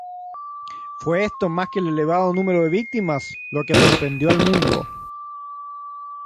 Fue esto, más que el elevado número de víctimas, lo que sorprendió al mundo".